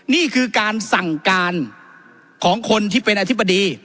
นี่คือการสั่งการของคนที่เป็นอธิบดี